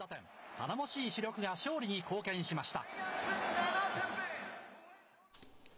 頼もしい主力が勝利に貢献しました。